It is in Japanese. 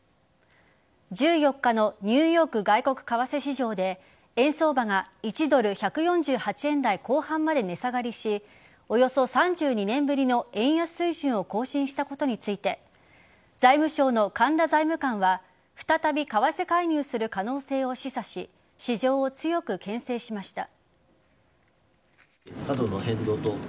１４日のニューヨーク外国為替市場で円相場が１ドル１４８円台後半まで値下がりしおよそ３２年ぶりの円安水準を更新したことについて財務省の神田財務官は再び為替介入する可能性を示唆し市場を強くけん制しました。